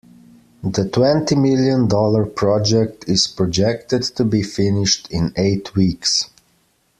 The twenty million dollar project is projected to be finished in eight weeks.